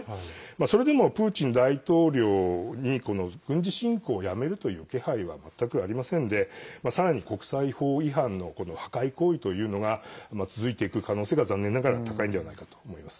それでもプーチン大統領に軍事侵攻をやめるという気配は全くありませんのでさらに国際法違反の破壊行為というのが続いていく可能性が残念ながら高いんではないかと思います。